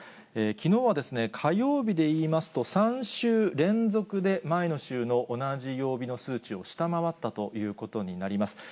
きのうはですね、火曜日でいいますと、３週連続で前の週の同じ曜日の数値を下回ったということになります。